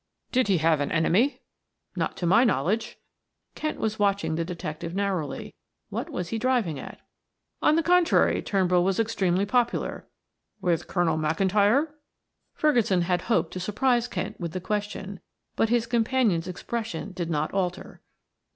"Did he have an enemy?" "Not to my knowledge." Kent was watching the detective narrowly; what was he driving at? "On the contrary Turnbull was extremely popular." "With Colonel McIntyre?" Ferguson had hoped to surprise Kent with the question, but his companion's expression did not alter.